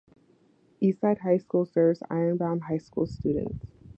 East Side High School serves Ironbound high school students.